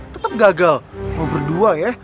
tetap gagal mau berdua ya